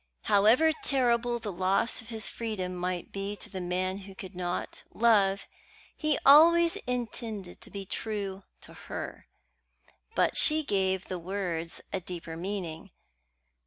However terrible the loss of his freedom might be to the man who could not love, he always intended to be true to her. But she gave the words a deeper meaning.